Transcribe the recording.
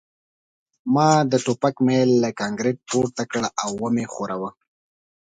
ما د ټوپک میل له کانکریټ پورته کړ او ومې ښوراوه